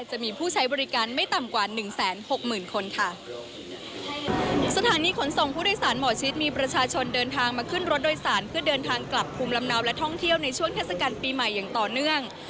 ที่เดินทางกลับภูมิลำเนาและท่องเที่ยวในช่วงเทศกรรมปีใหม่อย่างต่อเนื่อง